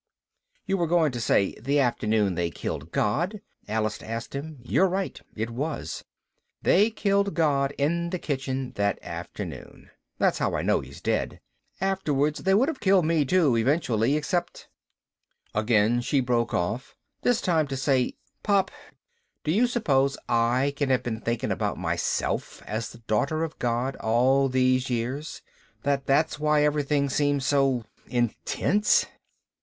"You were going to say 'the afternoon they killed God?'" Alice asked him. "You're right, it was. They killed God in the kitchen that afternoon. That's how I know he's dead. Afterwards they would have killed me too, eventually, except "Again she broke off, this time to say, "Pop, do you suppose I can have been thinking about myself as the Daughter of God all these years? That that's why everything seems so intense?"